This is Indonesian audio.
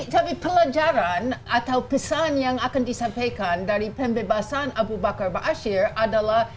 tapi pelajaran atau pesan yang akan disampaikan dari pembebasan abu bakar ba'asyir adalah